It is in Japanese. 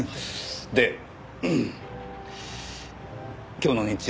今日の日中